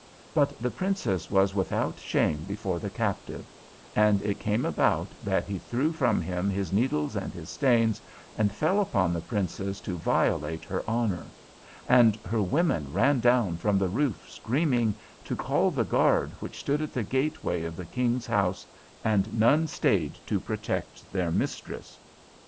But the Princess was without shame before the Captive, and it came about that he threw from him his needles and his stains, and fell upon the Princess to violate her honour; and her women ran down from the roof screaming, to call the guard which stood at the gateway of the King's house, and none stayed to protect their mistress.